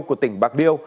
của tỉnh bạc liêu